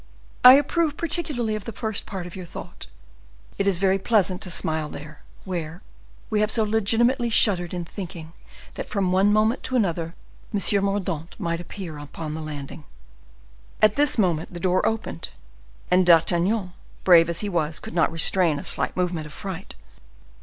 I approve particularly of the first part of your thought; it is very pleasant to smile there where we have so legitimately shuddered in thinking that from one moment to another M. Mordaunt might appear upon the landing." At this moment the door opened, and D'Artagnan, brave as he was, could not restrain a slight movement of fright.